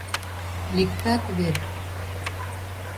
Лектат вет?